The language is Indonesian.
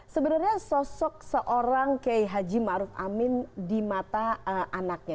sebenarnya sosok seorang k haji ma'ruf amin di mata anaknya